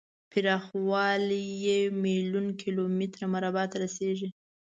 پراخوالی یې میلیون کیلو متر مربع ته رسیږي.